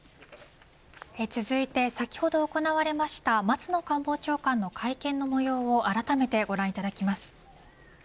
続いて先ほど行われました松野官房長官の会見の模様をあらためてご覧いただきます。